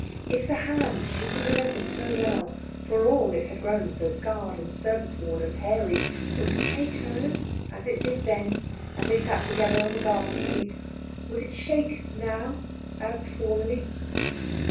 If the hand she could remember so well, for all it had grown so scarred and service worn and hairy, were to take hers as it did then, as they sat together on the garden seat, would it shake now as formerly?